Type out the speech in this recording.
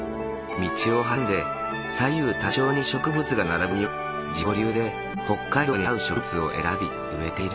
道を挟んで左右対称に植物が並ぶ庭には自己流で北海道に合う植物を選び植えている。